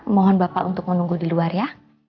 mohon bapak untuk menunggu di luar ya